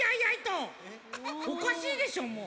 おかしいでしょもう！